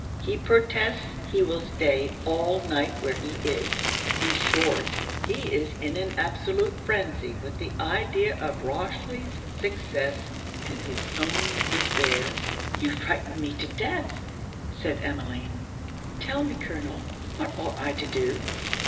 He protests he will stay all night where he is. In short, he is in an absolute frenzy with the idea of Rochely's success and his own despair.' 'You frighten me to death,' said Emmeline. 'Tell me, colonel, what ought I to do?'